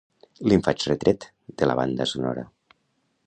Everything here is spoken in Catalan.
Li'n faig retret, de la banda sonora.